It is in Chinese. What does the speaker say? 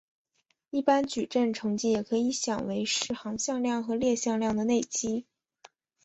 一般矩阵乘积也可以想为是行向量和列向量的内积。